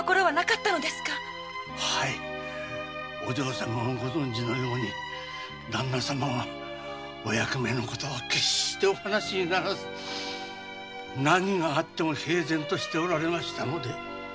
お嬢様もご存じのようにダンナ様はお役目のことは決してお話にならず何があっても平然としておられましたので。